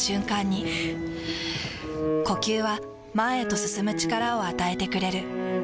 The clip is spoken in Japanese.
ふぅ呼吸は前へと進む力を与えてくれる。